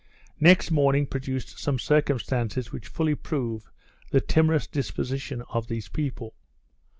Next morning produced some circumstances which fully prove the timorous disposition of these people.